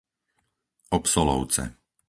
Obsolovce